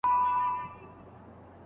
آیا بری تر ماتې خوندور دی؟